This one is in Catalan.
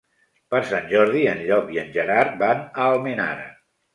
Per Sant Jordi en Llop i en Gerard van a Almenara.